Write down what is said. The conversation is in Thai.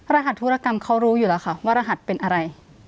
รหัสธุรกรรมเขารู้อยู่แล้วค่ะว่ารหัสเป็นอะไร